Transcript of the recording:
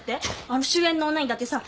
あの主演の女にだってさ